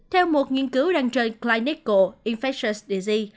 theo một nghiên cứu đăng trên clinical infectious disease